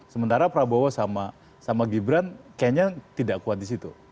sementara prabowo sama gibran kayaknya tidak kuat di situ